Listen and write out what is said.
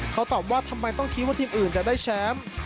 เขาตอบว่าทำไมต้องคิดว่าทีมอื่นจะได้แชมป์